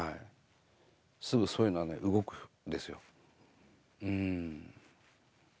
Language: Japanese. すぐそういうのはね動くんですよ。